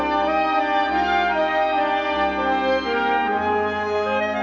โปรดติดตามต่อไป